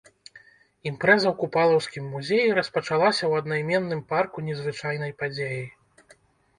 Імпрэза ў купалаўскім музеі распачалася ў аднайменным парку незвычайнай падзеяй.